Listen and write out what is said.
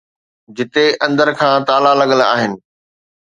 جتي اندر کان تالا لڳل آهن